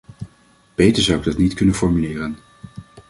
Beter zou ik dat niet kunnen formuleren!